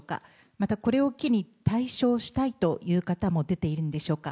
またこれを機に、退所をしたいという方も出ているんでしょうか。